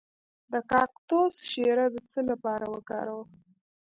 د کاکتوس شیره د څه لپاره وکاروم؟